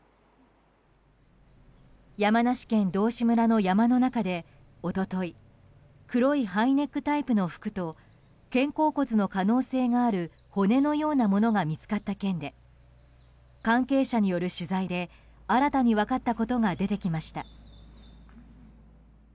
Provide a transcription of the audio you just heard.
山梨県道志村の山の中で一昨日黒いハイネックタイプの服と肩甲骨の可能性がある骨のようなものが見つかった件で関係者による取材で新たに分かったことが出てきました。